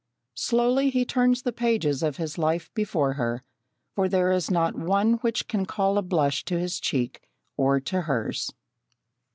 Slowly he turns the pages of his life before her, for there is not one which can call a blush to his cheek, or to hers.